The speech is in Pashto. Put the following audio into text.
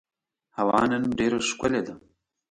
هوا نن ډېره ښکلې ده.